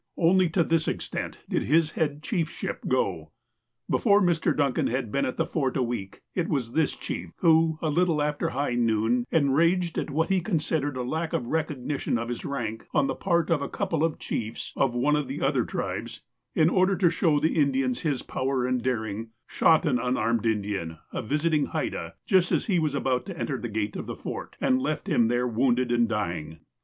Only to this extent did his head chiefship go. Before Mr. Duncan had been at the Fort a week, it was this chief who, a little after high noon, enraged at what he considered a lack of recognition of his rank on the part of a couple of chiefs of one of the other tribes, in order to show the Indians his power and daring, shot an unarmed Indian, a visiting Haida, just as he was about to enter the gate of the Fort, and left him there wounded and dying.